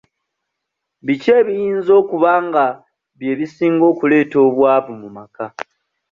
Biki ebiyinza okuba nga bye bisinga okuleeta obwavu mu maka?